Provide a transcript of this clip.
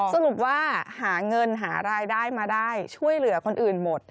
สรุปว่าหาเงินหารายได้มาได้ช่วยเหลือคนอื่นหมด